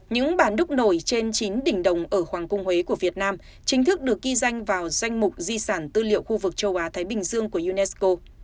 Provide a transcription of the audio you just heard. những bản đúc nổi trên chín đỉnh đồng ở hoàng cung huế của việt nam chính thức được ghi danh vào danh mục di sản tư liệu khu vực châu á thái bình dương của unesco